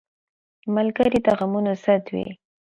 ملګری د غمونو ضد وي